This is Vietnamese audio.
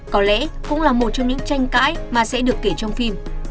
có lẽ cũng là một trong những tranh cãi mà sẽ được kể trong phim